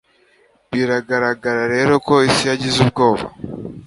Biragaragara rero ko isi yagize ubwoba